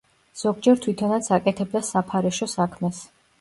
ზოგჯერ თვითონაც აკეთებდა საფარეშო საქმეს.